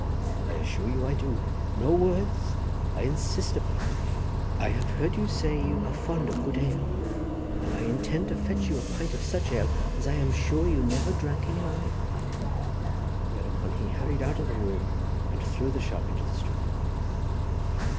I assure you I do. No words! I insist upon it. I have heard you say you are fond of good ale, and I intend to fetch you a pint of such ale as I am sure you never drank in your life." Thereupon he hurried out of the room, and through the shop into the street.